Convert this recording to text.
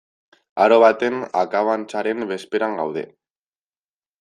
Aro baten akabantzaren bezperan gaude.